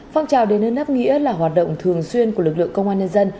phong trào đến nắp nghĩa là hoạt động thường xuyên của lực lượng công an nhân dân